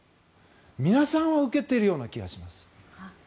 皆さんは受けているような気がします。